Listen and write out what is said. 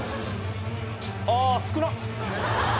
あ少なっ！